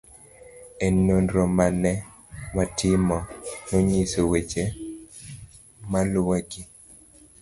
e Nonro ma ne watimo nonyiso weche maluwegi